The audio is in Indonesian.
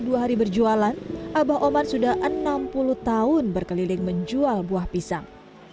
dua hari berjualan abah oman sudah enam puluh tahun berkeliling menjual buah pisang